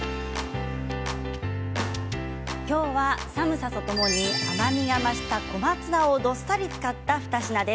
今日は寒さとともに、甘みが増した小松菜をどっさり使った２品です。